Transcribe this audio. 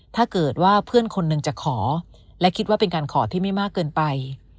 ถ้าเกิดว่าเพื่อนคนหนึ่งจะขอและคิดว่าเป็นการขอที่ไม่มากเกินไป